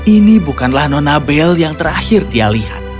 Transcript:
ini bukanlah nona belle yang terakhir dia lihat